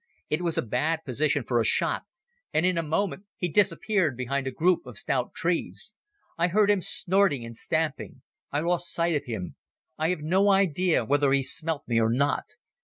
It was a bad position for a shot, and in a moment he disappeared behind a group of stout trees. I heard him snorting and stamping. I lost sight of him. I have no idea whether he smelt me or not.